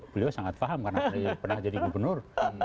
beliau sangat paham karena pernah jadi gubernur